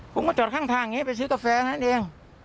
ผมก็จอดข้างทางอย่างนี้ไปซื้อกาแฟนั่นเอง